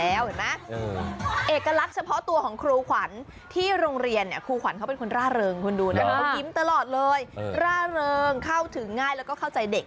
เห็นไหมเอกลักษณ์เฉพาะตัวของครูขวัญที่โรงเรียนเนี่ยครูขวัญเขาเป็นคนร่าเริงคุณดูนะเขายิ้มตลอดเลยร่าเริงเข้าถึงง่ายแล้วก็เข้าใจเด็ก